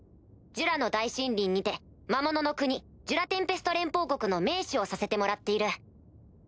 ジュラの大森林にて魔物の国ジュラ・テンペスト連邦国の盟主をさせてもらっている。